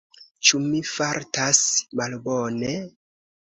Ĉu mi fartas malbone?